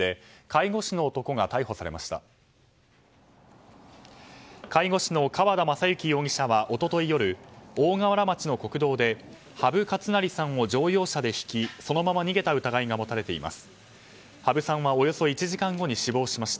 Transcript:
介護士の川田雅之容疑者は一昨日夜大河原町の国道で土生勝成さんを乗用車でひきそのまま逃げた疑いが持たれています。